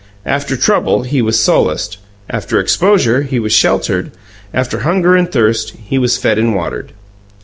After trouble, he was solaced; after exposure, he was sheltered; after hunger and thirst, he was fed and watered.